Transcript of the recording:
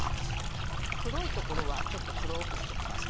黒いところはちょっと黒くしておきますね。